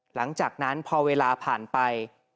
หลังจากนั้นพอเวลาผ่านไป